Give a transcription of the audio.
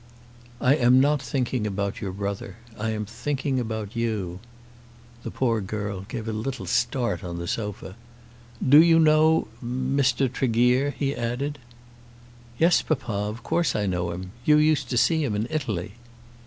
"I am not thinking about your brother. I am thinking about you." The poor girl gave a little start on the sofa. "Do you know Mr. Tregear?" he added. "Yes, papa; of course I know him. You used to see him in Italy."